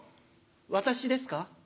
私ですか？